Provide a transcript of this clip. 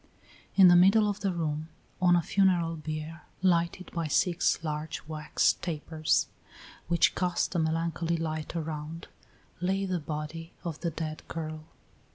In the middle of the room, on a funeral bier, lighted by six large wax tapers, which cast a melancholy light around, lay the body of the dead girl.